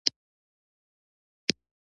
بوتل د خوړو صنعت لپاره تر ټولو ارزانه وسیله ده.